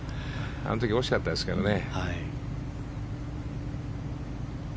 あの時惜しかったですけどね。